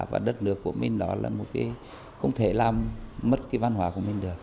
và đất nước của mình đó là một cái không thể làm mất cái văn hóa của mình được